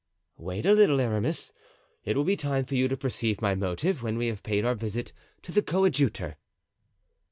"Wait a little, Aramis; it will be time for you to perceive my motive when we have paid our visit to the coadjutor."